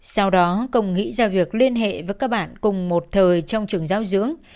sau đó công nghị giao việc liên hệ với các bạn cùng một thời trong trường giáo dưỡng